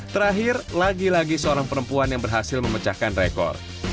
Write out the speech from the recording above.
terakhir lagi lagi seorang perempuan yang berhasil memecahkan rekor